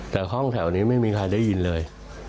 แต่ห้องแถวนี้ไม่มีใครได้ยินเลย